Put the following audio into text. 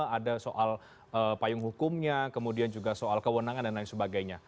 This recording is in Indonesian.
ada soal payung hukumnya kemudian juga soal kewenangan dan lain sebagainya